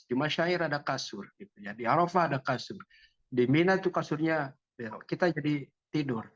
di masyair ada kasur di arafah ada kasur di mina itu kasurnya kita jadi tidur